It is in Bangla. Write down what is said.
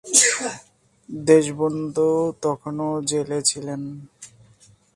দেশবন্ধু তখনও জেলে ছিলেন।